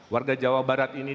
warga jawa barat ini